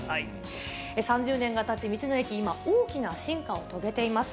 ３０年がたち、道の駅、今、大きな進化を遂げています。